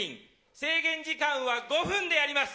制限時間は５分でやります！